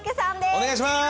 お願いします！